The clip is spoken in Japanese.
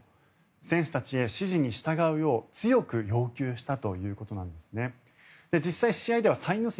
選手たちへ指示に従うよう強く要求したということです。